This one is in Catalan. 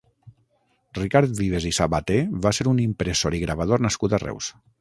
Ricard Vives i Sabaté va ser un impressor i gravador nascut a Reus.